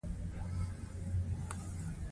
• د واورې موسم خاص تفریحي لوبې لري.